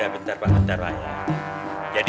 bentar pak bentar pak